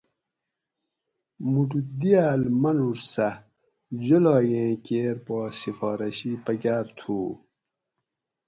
مُوٹُو دِیاۤل ماۤنوڄ سہۤ جولاگیں کیر پا سِفارشی پکاۤر تھُو